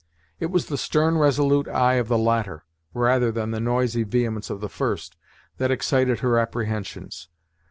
It was the stern, resolute eye of the latter, rather than the noisy vehemence of the first, that excited her apprehensions.